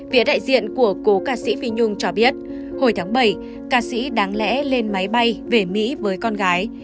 phía đại diện của cố ca sĩ phi nhung cho biết hồi tháng bảy ca sĩ đáng lẽ lên máy bay về mỹ với con gái